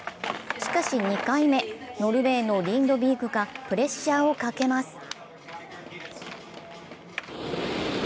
しかし、２回目、ノルウェーのリンドビークがプレッシャーをかけます。